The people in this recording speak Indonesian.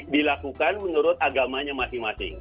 dilakukan menurut agamanya masing masing